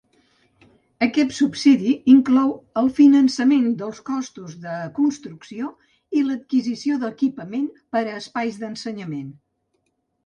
Aquest subsidi inclou el finançament dels costos de construcció i l'adquisició d'equipament per a espais d'ensenyament.